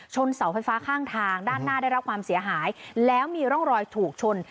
เสาไฟฟ้าข้างทางด้านหน้าได้รับความเสียหายแล้วมีร่องรอยถูกชน